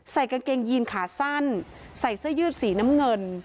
กางเกงยีนขาสั้นใส่เสื้อยืดสีน้ำเงิน